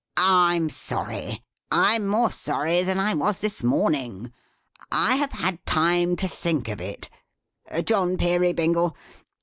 "I'm sorry. I'm more sorry than I was this morning. I have had time to think of it. John Peerybingle!